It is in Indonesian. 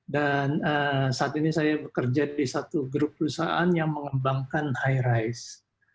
dan saat ini saya bekerja di satu grup perusahaan yang mengembangkan high rise